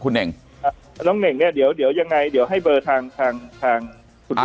น้องเน่งเนี่ยเดี๋ยวยังไงเดี๋ยวให้เบอร์ทาง